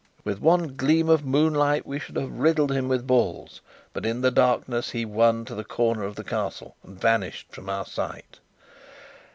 With one gleam of moonlight we should have riddled him with balls; but, in the darkness, he won to the corner of the Castle, and vanished from our sight.